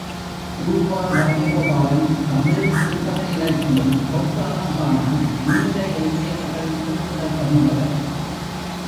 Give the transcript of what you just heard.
◯ கு. ப. ராஜகோபாலன் தமிழில் சிறுகதை இலக்கியம் பொற்காலம் காண முன்னுரை எழுதியவர்களில் குறிப்பிடத் தகுந்தவர்.